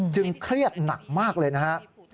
เครียดหนักมากเลยนะครับ